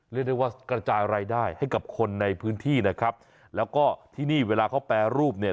เรียกได้ว่ากระจายรายได้ให้กับคนในพื้นที่นะครับแล้วก็ที่นี่เวลาเขาแปรรูปเนี่ย